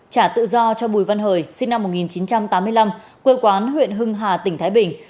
trả tự do cho bùi văn hời sinh năm một nghìn chín trăm tám mươi năm quê quán huyện hưng hà tỉnh thái bình